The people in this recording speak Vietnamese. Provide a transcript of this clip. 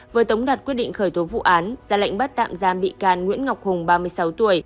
vừa tống đặt quyết định khởi tố vụ án ra lệnh bắt tạm giam bị can nguyễn ngọc hùng ba mươi sáu tuổi